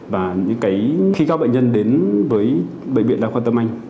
và khi các bệnh nhân đến với bệnh viện đa khoa tâm anh